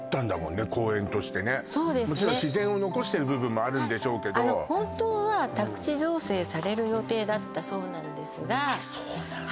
もちろん自然を残してる部分もあるんでしょうけどあの本当は宅地造成される予定だったそうなんですがあっそうなんだは